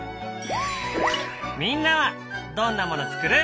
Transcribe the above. みんなはどんなもの作る？